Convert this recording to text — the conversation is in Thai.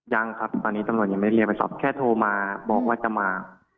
ยังครับตอนนี้ตำรวจยังไม่เรียกไปสอบแค่โทรมาบอกว่าจะมา